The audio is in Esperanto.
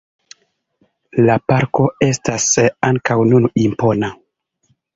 La parko estas ankaŭ nun impona.